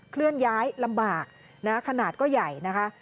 เคลื่อนย้ายลำบากขนาดก็ใหญ่นะคะ